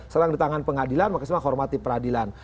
serang di tangan pengadilan makanya semua hormati peradilan